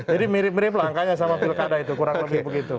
jadi mirip mirip lah angkanya sama pilkada itu kurang lebih begitu